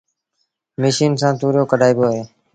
مشيٚن کآݩ تُوريو ڪڍآئيبو اهي